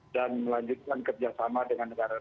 melanjutkan kerjasama dengan negara negara